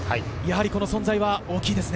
この存在は大きいですね。